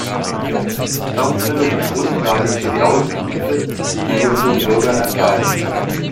Das bildet die Grundlage für die Auskünfte, die wir unseren Bürgern erteilen.